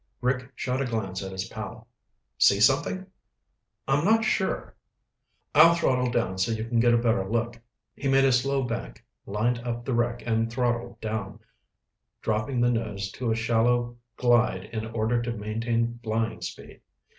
Rick shot a glance at his pal. "See something?" "I'm not sure." "I'll throttle down so you can get a better look." He made a slow bank, lined up the wreck and throttled down, dropping the nose to a shallow glide in order to maintain flying speed.